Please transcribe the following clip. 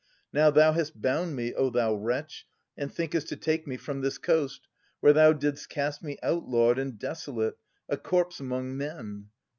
Now thou hast bound me, O thou wretch, and thinkest To take me from this coast, where thou didst cast me Outlawed and desolate, a corpse 'mong men.